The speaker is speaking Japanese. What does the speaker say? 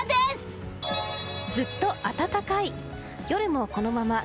ずっと暖かい。